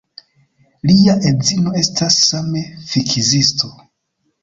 Lia edzino estas same fizikisto.